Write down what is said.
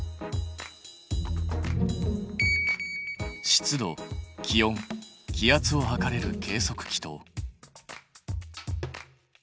湿度気温気圧を測れる計測器と。